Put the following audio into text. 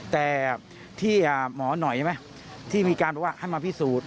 แต่ที่หมอหน่อยที่มีการให้มาพิสูจน์